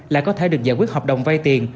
lại có thể được giải quyết hợp đồng vay tiền